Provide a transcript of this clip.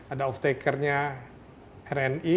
ada off takernya rni